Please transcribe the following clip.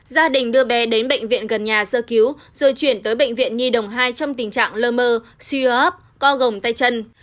gia đình đưa bé đến bệnh viện gần nhà sơ cứu rồi chuyển tới bệnh viện nhi đồng hai trong tình trạng lơ mơ suy hấp co gồng tay chân